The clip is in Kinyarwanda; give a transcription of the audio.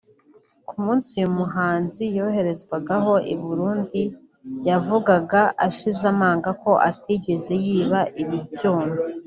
Ku munsi uyu muhanzi yoherezwaho i Burundi yavugaga ashize amanga ko atigeze yiba ibi byuma